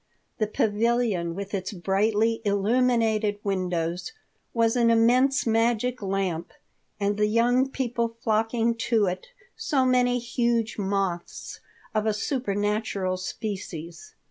The pavilion with its brightly illuminated windows was an immense magic lamp, and the young people flocking to it so many huge moths of a supernatural species.